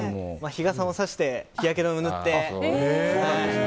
日傘もさして日焼け止めも塗って。